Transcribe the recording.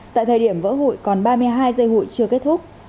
tại thời điểm vỡ hụi còn ba mươi hai giây hụi chưa kết thúc